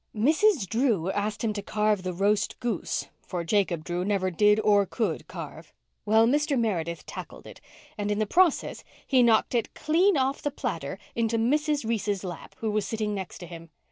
"Mrs. Drew asked him to carve the roast goose—for Jacob Drew never did or could carve. Well, Mr. Meredith tackled it, and in the process he knocked it clean off the platter into Mrs. Reese's lap, who was sitting next him.